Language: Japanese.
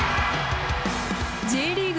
Ｊリーグ